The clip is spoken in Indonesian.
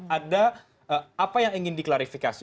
ada apa yang ingin diklarifikasi